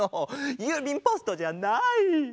ゆうびんポストじゃない！